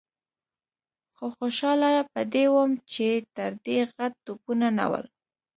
خو خوشاله په دې وم چې تر دې غټ توپونه نه ول.